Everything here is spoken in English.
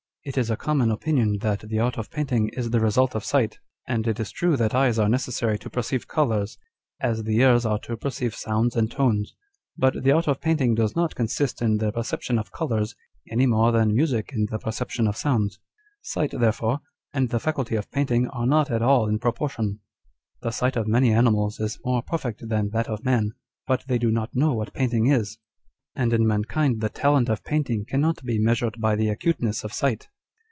It is a common opinion that the art of painting is the result of sight ; and it is true that eyes are necessary to perceive colours, as the ears are to perceive sounds and tones ; but the art of painting does not consist in the perception of colours, any more than music in the perception of sounds. Sight, therefore, and the faculty of painting are not at all in proportion. The sight of many animals is more perfect than that of man, but they do not know what painting is ; and in mankind the talent of painting cannot be measured by the acuteness of sight.